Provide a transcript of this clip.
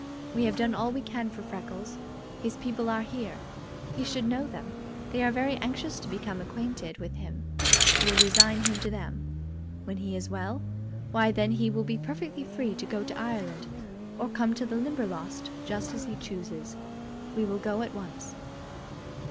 We have done all we can for Freckles. His people are here. He should know them. They are very anxious to become acquainted with him. We'll resign him to them. When he is well, why, then he will be perfectly free to go to Ireland or come to the Limberlost, just as he chooses. We will go at once."